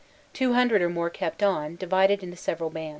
Two hundred or more kept on, divided into several bands.